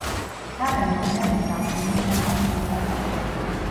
თაღები მოგვიანებით აღდგენილია ქართული აგურით.